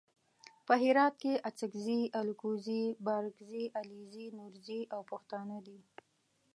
په هرات کې اڅګزي الکوزي بارګزي علیزي نورزي او پښتانه دي.